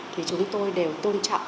thì chúng tôi đều tôn trọng